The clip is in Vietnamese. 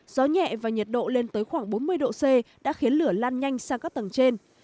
gió nhẹ và nhiệt độ lên tới khoảng bốn mươi độ c đã khiến lửa lan nhanh sang các tầng trên